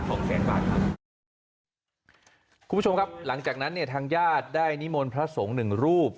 คุณผู้ชมครับหลังจากนั้นเนี่ยทางญาติได้นิมนต์พระสงฆ์หนึ่งรูป